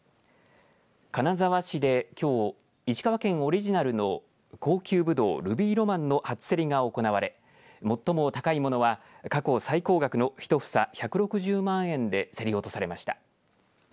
金沢市できょう石川県オリジナルの高級ぶどうルビーロマンの初競りが行われ最も高いものは過去最高額の１房１６０万円で競り落とされました。